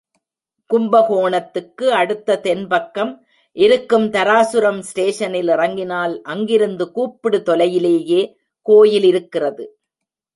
கும்பகோணத்துக்கு அடுத்த தென்பக்கம் இருக்கும் தாராசுரம் ஸ்டேஷனில் இறங்கினால் அங்கிருந்து கூப்பிடு தொலையிலேயே கோயில் இருக்கிறது.